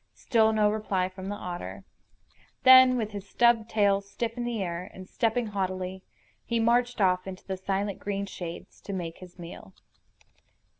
Still no reply from the otter. Then, with his stub tail stiff in the air, and stepping haughtily, he marched off into the silent green shades to make his meal.